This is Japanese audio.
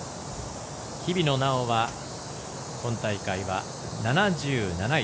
日比野菜緒は、今大会は７７位。